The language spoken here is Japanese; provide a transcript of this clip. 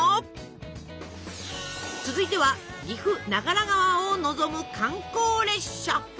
続いては岐阜長良川を望む観光列車。